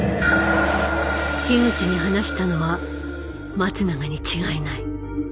樋口に話したのは松永に違いない。